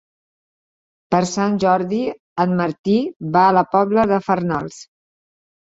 Per Sant Jordi en Martí va a la Pobla de Farnals.